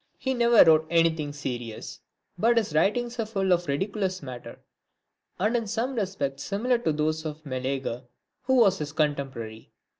II. He never wrote anything serious ; but his writings are full of ridiculous matter ; and in some respects similar to those of Meleager, who was his contemporary.